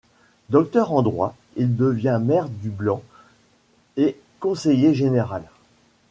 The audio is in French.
Docteur en droit, il devient maire du Blanc et conseiller général.